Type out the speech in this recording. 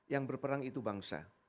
yang berperang itu bangsa